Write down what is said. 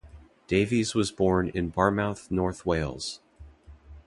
Davies was born in Barmouth, North Wales.